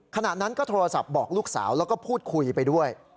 ขณะนั้นก็โทรศัพท์บอกลูกสาวแล้วก็พูดคุยไปด้วย